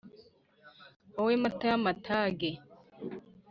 Wowe Mata y’amatage